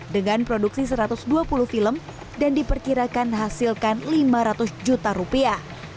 dengan produksi satu ratus dua puluh film dan diperkirakan hasilkan lima ratus juta rupiah